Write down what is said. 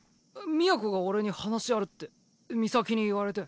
都が俺に話あるって海咲に言われて。